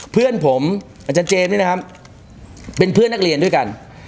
เพื่อนผมอาจารย์เจมส์นี่นะครับเป็นเพื่อนนักเรียนด้วยกัน